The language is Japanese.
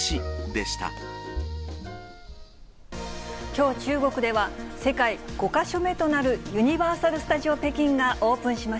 きょう、中国では、世界５か所目となるユニバーサル・スタジオ・北京がオープンしま